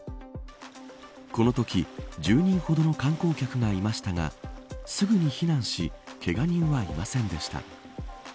このとき１０人ほどの観光客がいましたがすぐに避難しけが人はいませんでした。